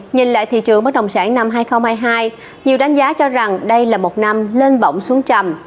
nhìn lại thị trường bất đồng sản năm hai nghìn hai mươi hai nhiều đánh giá cho rằng đây là một năm lên bỏng xuống trầm